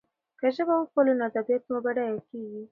که ژبه وپالو نو ادبیات مو بډایه کېږي.